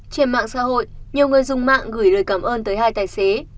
trên mạng xã hội nhiều người dùng mạng gửi lời cảm ơn tới hai tài xế